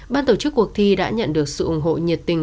ban tổ chức cuộc thi đã nhận được sự ủng hộ nhiệt tình